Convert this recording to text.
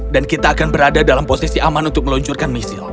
dan kita akan berada dalam posisi aman untuk meluncurkan misil